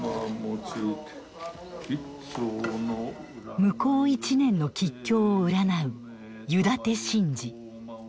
向こう一年の吉凶を占う「湯立て神事」。